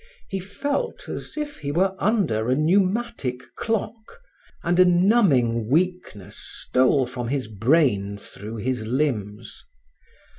He felt as if he were under a pneumatic clock, and a numbing weakness stole from his brain through his limbs.